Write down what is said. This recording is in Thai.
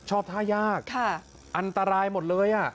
ท่ายากอันตรายหมดเลย